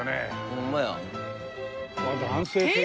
ホンマや。